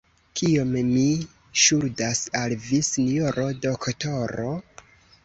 Kiom mi ŝuldas al vi, sinjoro doktoro?